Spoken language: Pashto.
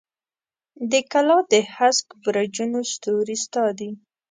د کلا د هسک برجونو ستوري ستا دي